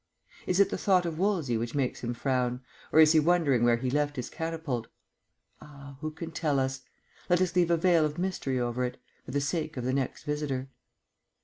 Is it the thought of Wolsey which makes him frown or is he wondering where he left his catapult? Ah! who can tell us? Let us leave a veil of mystery over it ... for the sake of the next visitor.